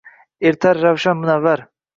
Etar ravshan, munavvar.